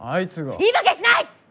言い訳しない！